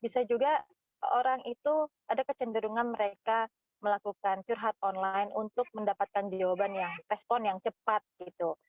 bisa juga orang itu ada kecenderungan mereka melakukan curhat online untuk mendapatkan jawaban yang respon yang cepat gitu